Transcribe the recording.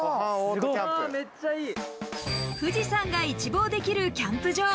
富士山が一望できるキャンプ場。